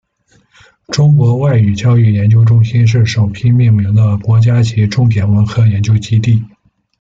中国外语教育研究中心是首批命名的国家级重点文科研究基地。